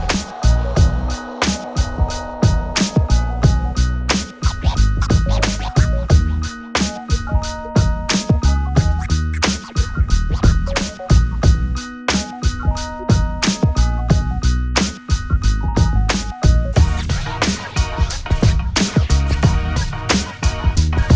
เอาตัวเขามาพิชิน